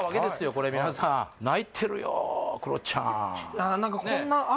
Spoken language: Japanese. これ皆さん泣いてるよクロちゃんあ